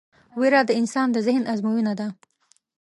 وېره د انسان د ذهن ازموینه ده.